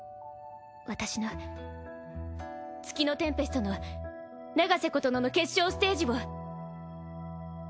私の月のテンペストの長瀬琴乃の決勝ステージを！